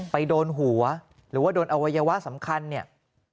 ไปโดนหัวหรือว่าโดนอวัยวะสำคัญเนี่ย